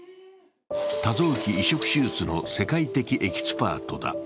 多臓器移植手術の世界的エキスパートだ。